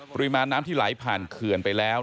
ปริมาณน้ำที่ไหลผ่านเขื่อนไปแล้ว